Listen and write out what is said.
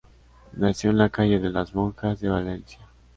Nació en la calle de las Monjas de Valencia.